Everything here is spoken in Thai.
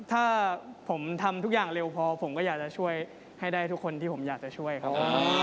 ถ้าผมทำทุกอย่างเร็วพอผมก็อยากจะช่วยให้ได้ทุกคนที่ผมอยากจะช่วยครับ